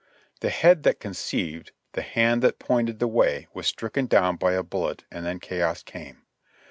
The head that conceived, the hand that pointed the way was stricken down by a bullet and then chaos came.